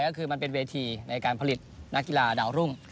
ก็คือมันเป็นเวทีในการผลิตนักกีฬาดาวรุ่ง